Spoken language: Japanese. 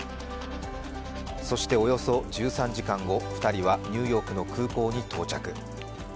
そして、およそ１３時間後、２人はニューヨークの空港に到着。